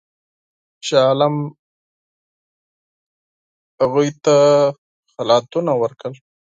شاه عالم هغوی ته خلعتونه ورکړل.